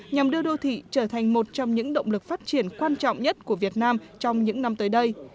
nhằm đưa đô thị trở thành một trong những động lực phát triển quan trọng nhất của việt nam trong những năm tới đây